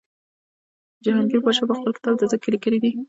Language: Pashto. جهانګیر پادشاه په خپل کتاب تزک کې لیکلي دي.